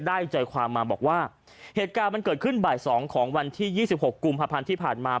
ได้ใจความมาบอกว่าเหตุการณ์มันเกิดขึ้นบ่าย๒ของวันที่๒๖กุมภาพันธ์ที่ผ่านมา